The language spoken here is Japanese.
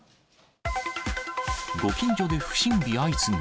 ご近所で不審火相次ぐ。